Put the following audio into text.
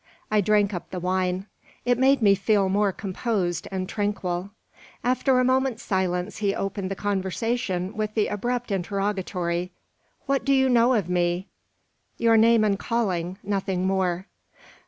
I drank up the wine. It made me feel more composed and tranquil. After a moment's silence he opened the conversation with the abrupt interrogatory, "What do you know of me?" "Your name and calling; nothing more."